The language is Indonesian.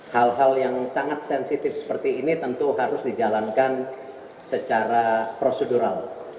hal hal yang sangat sensitif seperti ini tentu harus dijalankan secara prosedural